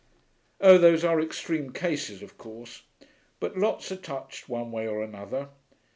Oh, those are extreme cases, of course, but lots are touched one way or another....